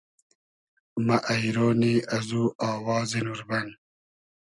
مۂ اݷرۉنی ازو آوازی نوربئن